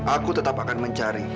aku tetap akan mencari